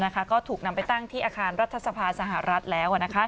ก็ถูกนำไปตั้งที่อาคารรัฐสภาสหรัฐแล้ว